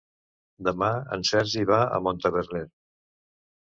Demà en Sergi va a Montaverner.